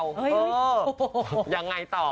โอ้โหยังไงต่อ